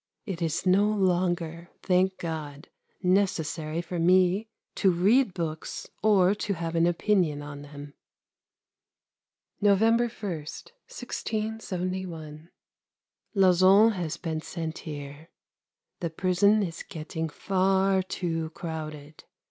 It is no longer, thank God, necessary for me to read books, or to have an opinion on them! November 1, 1671. Lauzun has been sent here. The prison is getting far too crowded.